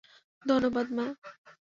ধন্যবাদ, মা।